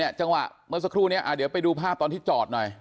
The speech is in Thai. จังหวะเมื่อสักครู่นี้เดี๋ยวไปดูภาพตอนที่จอดหน่อย